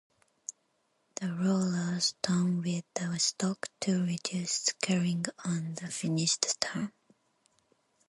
The rollers turn with the stock to reduce scarring on the finished turn.